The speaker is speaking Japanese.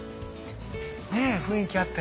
ねえ雰囲気あって。